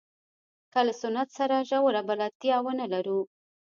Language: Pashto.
که له سنت سره ژوره بلدتیا ونه لرو.